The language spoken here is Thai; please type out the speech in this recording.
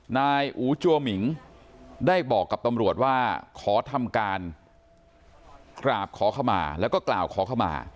นายอู๋จัวหมิงได้บอกกับตำรวจว่าขอทำการกราบขอเข้ามาแล้วก็กล่าวขอเข้ามา